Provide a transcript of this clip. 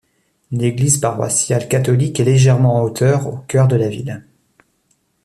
L’église paroissiale catholique est légèrement en hauteur au cœur de la ville.